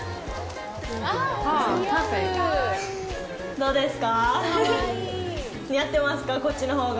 どうですか？